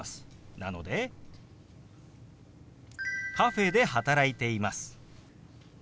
なので「カフェで働いています」。